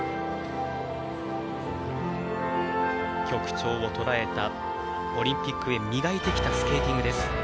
曲調を捉えたオリンピックへ磨いてきたスケーティングです。